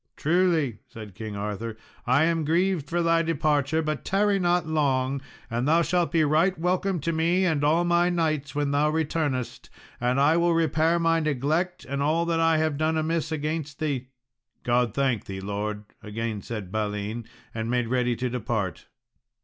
"Truly," said King Arthur, "I am grieved for thy departure; but tarry not long, and thou shalt be right welcome to me and all my knights when thou returnest, and I will repair my neglect and all that I have done amiss against thee." "God thank thee, Lord," again said Balin, and made ready to depart.